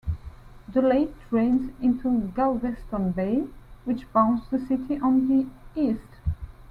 The lake drains into Galveston Bay, which bounds the city on the east.